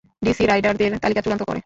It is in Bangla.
ডিসি রাইডারদের তালিকা চূড়ান্ত করে।